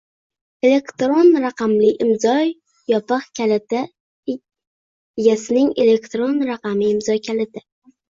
Elektron raqamli imzo yopiq kaliti egasining elektron raqamli imzo kaliti